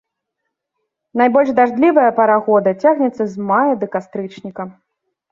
Найбольш дажджлівая пара года цягнецца з мая да кастрычніка.